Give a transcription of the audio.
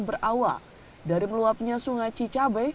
berawal dari meluapnya sungai cicabe